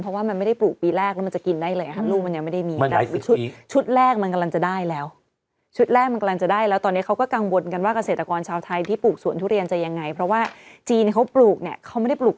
เพราะว่ามันไม่ได้ปลูกปีแรกแล้วมันจะกินได้เลยอ่ะครับลูกมันยังไม่ได้มี